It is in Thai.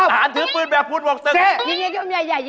เฮ่ยเฮ่ยเฮ่ยเฮ่ย